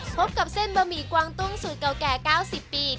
พบกับเส้นบะหมี่กวางตุ้งสูตรเก่าแก่๙๐ปี